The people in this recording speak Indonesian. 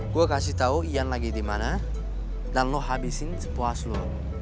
gue kasih tau ian lagi di mana dan lo habisin sepuas lo